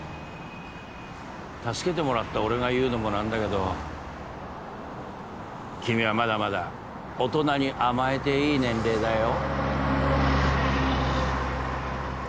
助けてもらった俺が言うのも何だけど君はまだまだ大人に甘えていい年齢だよ